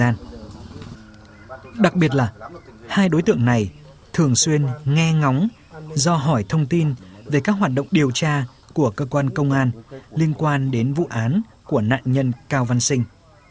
nghe ngóng do hỏi thông tin về các hoạt động điều tra của cơ quan công an liên quan đến vụ án của nạn nhân cao văn sinh